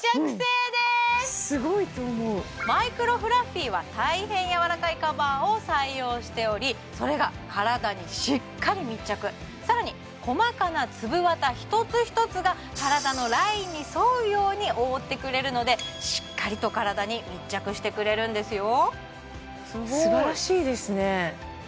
すごいと思うマイクロフラッフィーは大変柔らかいカバーを採用しておりそれが体にしっかり密着さらに細かな粒綿一つ一つが体のラインに沿うように覆ってくれるのでしっかりと体に密着してくれるんですよ